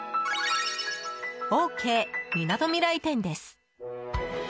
オーケーみなとみらい店です。